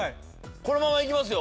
このままいきますよ。